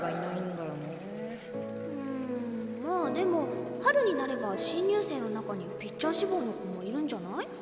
うんまあでも春になれば新入生の中にピッチャー志望の子もいるんじゃない？